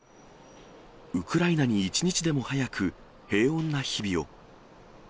ウクライナに一日でも早く平穏な日々を。